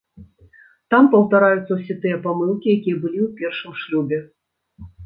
Там паўтараюцца ўсе тыя памылкі, якія былі ў першым шлюбе.